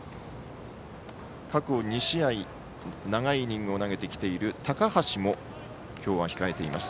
過去２試合長いイニングを投げてきている高橋も今日は控えています。